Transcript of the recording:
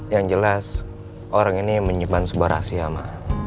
yang jelas orang ini menyimpan sebuah rahasia ma